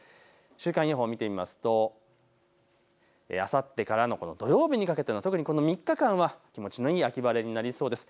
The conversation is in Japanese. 週間予報を見てみるとあさってからの土曜日にかけての３日間は気持ちのいい秋晴れになりそうです。